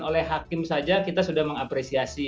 oleh hakim saja kita sudah mengapresiasi